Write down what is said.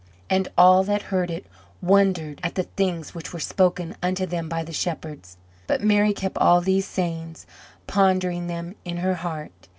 And all that heard it wondered at the things which were spoken unto them by the shepherds. But Mary kept all these sayings, pondering them in her heart.